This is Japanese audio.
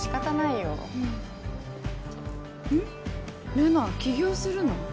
留奈起業するの？